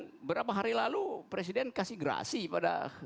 beberapa hari lalu presiden kasih grasi pada